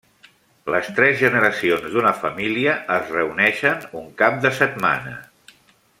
Les tres generacions d'una família es reuneixen un cap de setmana.